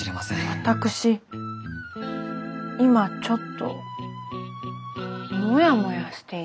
私今ちょっとモヤモヤしていて。